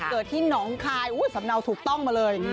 เกิดที่หนองคายสำเนาถูกต้องมาเลย